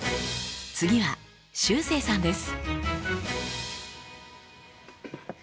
次はしゅうせいさんです。